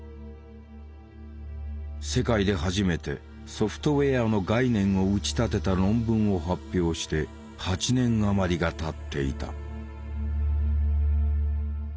世界で初めてソフトウェアの概念を打ち立てた論文を発表して８年余りがたっていた。